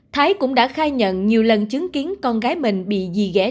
thái cũng đã khai nhận nhiều lần chứng kiến con gái mình bị dì ghẻ trang